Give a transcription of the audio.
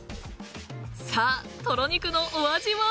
［さあトロ肉のお味は？］